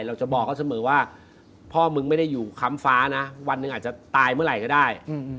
เราจะบอกเขาเสมอว่าพ่อมึงไม่ได้อยู่ค้ำฟ้านะวันหนึ่งอาจจะตายเมื่อไหร่ก็ได้